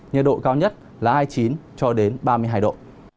nhiệt độ cao nhất là hai mươi chín ba mươi hai độ